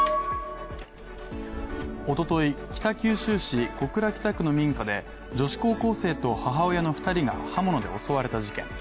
おととい、北九州市小倉北区の民家で女子高校生と母親の２人が刃物で襲われた事件。